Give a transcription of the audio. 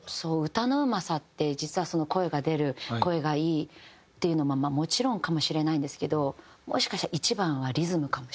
歌のうまさって実は声が出る声がいいっていうのももちろんかもしれないんですけどもしかしたら一番はリズムかもしれない。